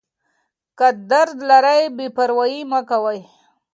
که درد لرئ بې پروايي مه کوئ.